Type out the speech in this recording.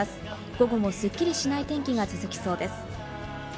午後もスッキリしない天気が続きそうです。